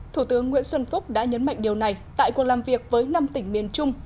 thủ tướng nguyễn xuân phúc đã nhấn mạnh điều này tại cuộc làm việc với năm tỉnh miền trung